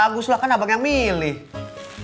bagus lah kan abang yang milih